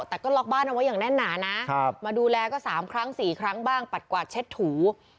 แต่ก็ล็อกบ้านเอาไว้อย่างแน่นหนานะมาดูแลก็๓ครั้ง๔ครั้งบ้างปัดกวาดเช็ดถู